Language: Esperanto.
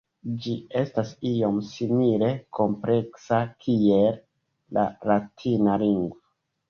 Ĝi estas iom simile kompleksa kiel la latina lingvo.